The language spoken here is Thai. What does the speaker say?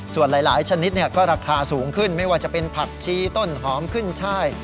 ส่วนหลายชนิดก็ราคาสูงขึ้นไม่ว่าจะเป็นผักชีต้นหอมขึ้นช่าย